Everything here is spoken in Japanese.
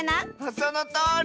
そのとおり！